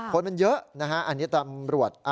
คนมันเยอะนะฮะอันนี้ตำรวจ